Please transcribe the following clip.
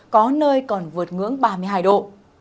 có nơi còn vượt ngưỡng ba mươi hai độ